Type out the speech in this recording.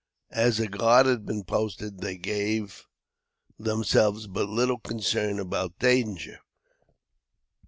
As a guard had been posted, they gave themselves but little concern about danger.